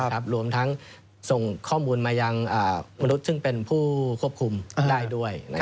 รวมทั้งส่งข้อมูลมายังมนุษย์ซึ่งเป็นผู้ควบคุมได้ด้วย